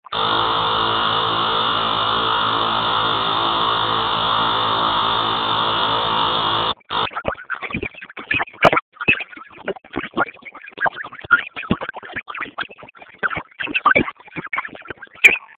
دولتي پلانونه عادلانه نه دي.